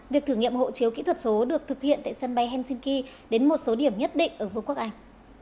việc thử nghiệm hộ chiếu kỹ thuật số được thực hiện tại sân bay helsinki đến một số điểm nhất định ở vương quốc anh